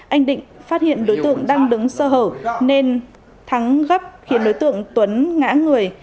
anh định phát hiện đối tượng đang đứng sơ hở nên thắng gấp khiến đối tượng tuấn ngã người